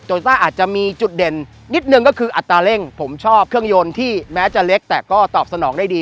ต้าอาจจะมีจุดเด่นนิดนึงก็คืออัตราเร่งผมชอบเครื่องยนต์ที่แม้จะเล็กแต่ก็ตอบสนองได้ดี